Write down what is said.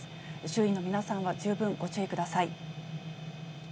周囲の皆さんは十分ご注意ください。